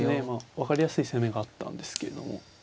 分かりやすい攻めがあったんですけども。